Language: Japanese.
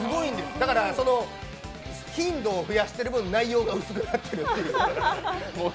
頻度を増やしている分、内容が薄くなっているという。